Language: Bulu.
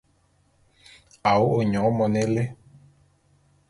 A wo’o nyon mone élé.